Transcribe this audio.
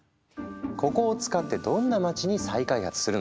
ここを使ってどんな街に再開発するのか。